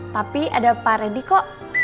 tapi ada pak reddy kok